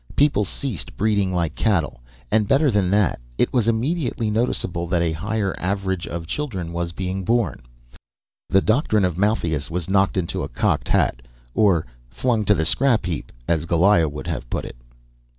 People ceased breeding like cattle. And better than that, it was immediately noticeable that a higher average of children was being born. The doctrine of Malthus was knocked into a cocked hat or flung to the scrap heap, as Goliah would have put it.